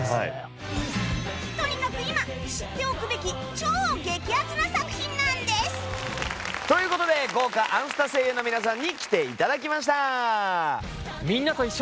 とにかく今知っておくべき超激アツな作品なんですという事で豪華『あんスタ』声優の皆さんに来て頂きました。